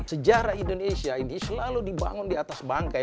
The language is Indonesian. sejarah indonesia ini selalu dibangun di atas bangkai